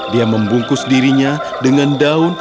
dia membungkus dirinya dengan daun